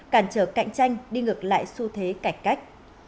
cản trở cạnh tranh đi ngược lại xu thế cải cách